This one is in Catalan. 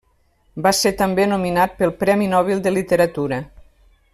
Va ser també nominat pel Premi Nobel de Literatura.